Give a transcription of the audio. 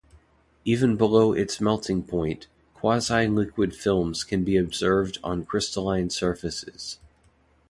Even below its melting point, quasi-liquid films can be observed on crystalline surfaces.